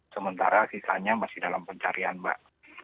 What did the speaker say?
sementara sisanya masih dalam pencarian mbak